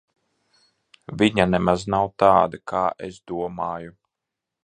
Viņa nemaz nav tāda, kā es domāju.